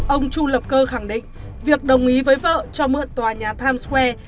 ông chu lập cơ khẳng định việc đồng ý với vợ cho mượn tòa nhà times square